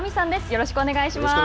よろしくお願いします。